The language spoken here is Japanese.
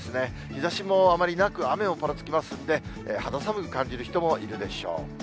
日ざしもあまりなく、雨もぱらつきますんで、肌寒く感じる人もいるでしょう。